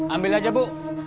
ambil aja bu